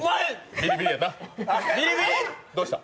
ビリビリやな、どうした？